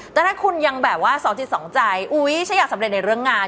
แต่ถ้าคุณยังแบบว่าสองจิตสองใจอุ๊ยฉันอยากสำเร็จในเรื่องงาน